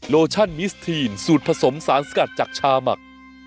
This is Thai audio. โลชั่นมิสทีนสูตรผสมสารสกัดจากชาหมัก